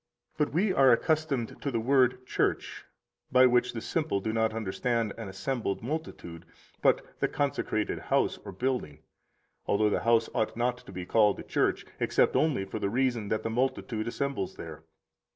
48 But we are accustomed to the word church, by which the simple do not understand an assembled multitude, but the consecrated house or building, although the house ought not to be called a church, except only for the reason that the multitude assembles there.